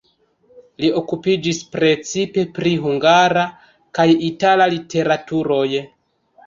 Li okupiĝis precipe pri hungara kaj itala literaturoj.